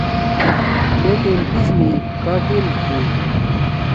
مے ٹیم پیِس می کا ٹیم تُھو؟